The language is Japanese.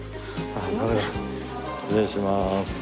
失礼します。